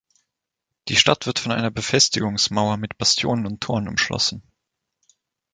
Die Stadt wird von einer Befestigungsmauer mit Bastionen und Toren umschlossen.